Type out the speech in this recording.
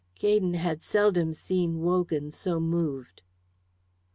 Gaydon had seldom seen Wogan so moved.